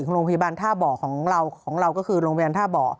โรงพยาบาลท่าบ่อของเราของเราก็คือโรงพยาบาลท่าบ่อ